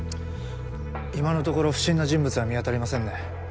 今のところ不審な人物は見当たりませんね。